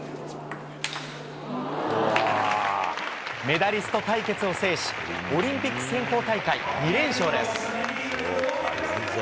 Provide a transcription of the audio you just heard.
メダリスト対決を制し、オリンピック選考大会２連勝です。